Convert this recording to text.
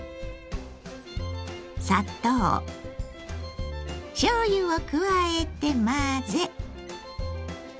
砂糖しょうゆを加えて混ぜ。